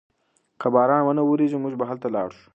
که باران و نه وریږي موږ به هلته لاړ شو.